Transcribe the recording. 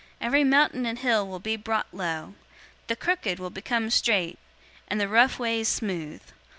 Every mountain and hill will be brought low. The crooked will become straight, and the rough ways smooth.